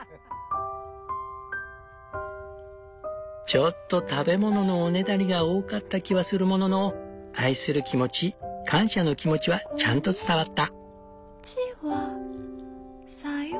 ちょっと食べ物のおねだりが多かった気はするものの愛する気持ち感謝の気持ちはちゃんと伝わった。